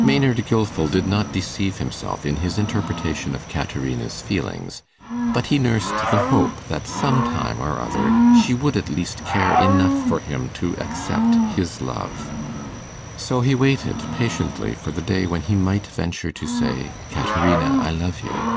Maynard Gilfil did not deceive himself in his interpretation of Caterina's feelings, but he nursed the hope that some time or other she would at least care enough for him to accept his love. So he waited patiently for the day when he might venture to say, 'Caterina, I love you!